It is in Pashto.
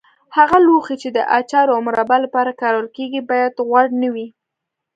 هغه لوښي چې د اچار او مربا لپاره کارول کېږي باید غوړ نه وي.